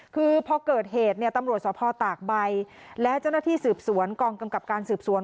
คือพอเกิดเหตุเนี่ยตำรวจสภตากใบและเจ้าหน้าที่สืบสวนกองกำกับการสืบสวน